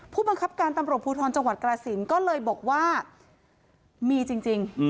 ผู้บังคับการตำรวจภูทรจังหวัดกรสินก็เลยบอกว่ามีจริง